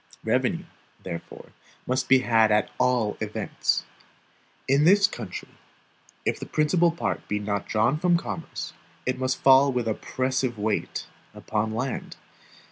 Revenue, therefore, must be had at all events. In this country, if the principal part be not drawn from commerce, it must fall with oppressive weight upon land.